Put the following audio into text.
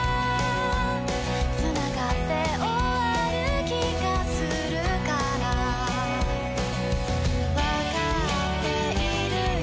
「繋がって終わる気がするから」「わかっているよ」